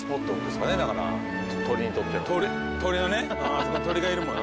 あそこに鳥がいるもんね